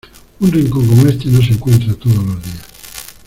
Un rincón como este no se encuentra todos los días.